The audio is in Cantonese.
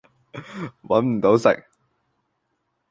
搵唔到食